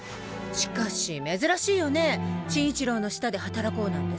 しかし珍しいよね眞一郎の下で働こうなんてさ。